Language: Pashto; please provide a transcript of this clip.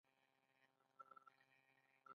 مرچ تریخ وي.